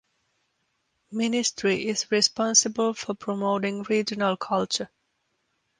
Ministry is responsible for promoting regional culture.